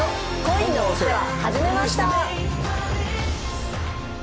『恋のお世話始めました』。